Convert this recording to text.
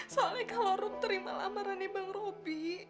soalnya kalo rum terima lamaran bang robi